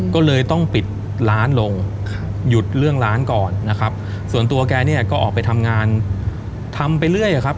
ก็เลยต้องปิดร้านลงหยุดเรื่องร้านก่อนนะครับส่วนตัวแกเนี่ยก็ออกไปทำงานทำไปเรื่อยครับ